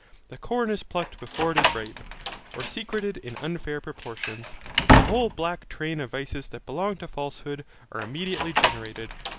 The corn is plucked before it is ripe, or secreted in unfair proportions, and the whole black train of vices that belong to falsehood are immediately generated.